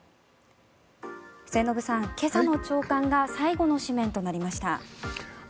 末延さん、今朝の朝刊が最後の紙面となりました。